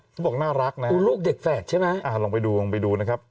เขาบอกน่ารักนะดูลูกเด็กแฝดใช่ไหมอ่าลองไปดูลองไปดูนะครับ